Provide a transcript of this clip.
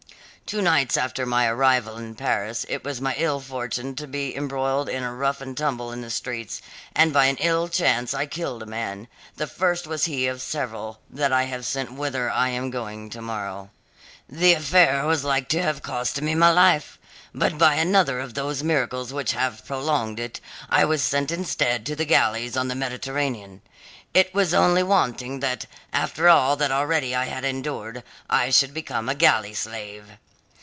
"Two nights after my arrival in Paris it was my ill fortune to be embroiled in a rough and tumble in the streets, and by an ill chance I killed a man the first was he of several that I have sent whither I am going to morrow. The affair was like to have cost me my life, but by another of those miracles which have prolonged it, I was sent instead to the galleys on the Mediterranean. It was only wanting that, after all that already I had endured, I should become a galley slave!